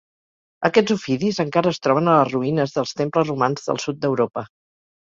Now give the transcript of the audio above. Aquests ofidis encara es troben a les ruïnes dels temples romans del sud d'Europa.